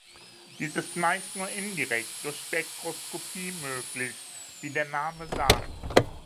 Dies ist meist nur indirekt durch Spektroskopie möglich, wie der Name sagt.